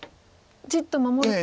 じっと守ると。